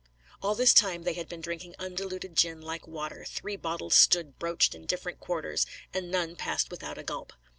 All this time they had been drinking undiluted gin like water; three bottles stood broached in different quarters; and none passed without a gulp.